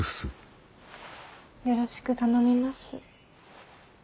よろしく頼みます。